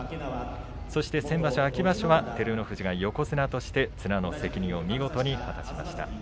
そして先場所秋場所は照ノ富士が横綱として綱の責任を見事に果たしました。